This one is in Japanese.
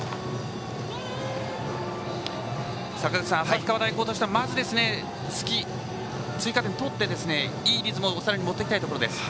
坂口さん、旭川大高としてはまず追加点を取って、いいリズムを持っていきたいところです。